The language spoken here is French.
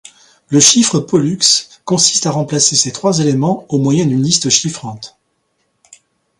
Le chiffre Pollux consiste à remplacer ces trois éléments au moyen d'une liste chiffrante.